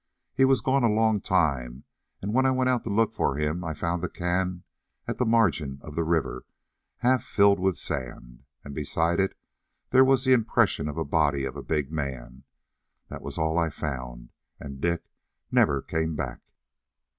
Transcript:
He was gone a long time, and when I went out to look for him I found the can at the margin of the river half filled with sand, and beside it there was the impression of the body of a big man. That was all I found, and Dick never came back."